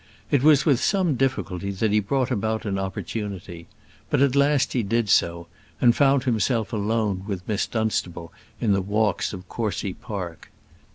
It was with some difficulty that he brought about an opportunity; but at last he did so, and found himself alone with Miss Dunstable in the walks of Courcy Park.